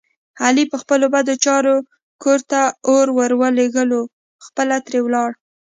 علي په خپلو بدو چارو کور ته اور ولږولو خپله ترې ولاړو.